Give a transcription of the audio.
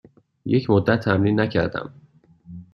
یک مدت تمرین نکردم.